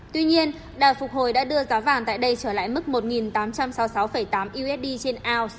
tuy nhiên đà phục hồi đã đưa giá vàng tại đây trở lại mức một tám trăm sáu mươi sáu tám usd trên ounce